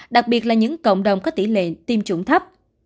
đặc biệt là những cộng đồng có tỷ lệ tiêm chủng thấp